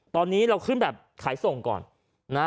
ตอนนี้เราขึ้นแบบขายส่งก่อนนะ